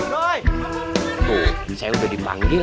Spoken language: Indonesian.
tuh saya udah dipanggil